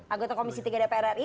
anggota komisi tiga d prri